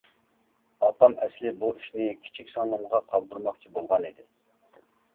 ئاپام ئەسلى بۇ ئىشنى كىچىك سىڭلىمغا قالدۇرماقچى بولغانىدى.